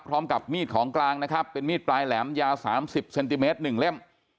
พร้อมกับมีดของกลางนะครับเป็นมีดปลายแหลมยาว๓๐เซนติเมตร๑เล่ม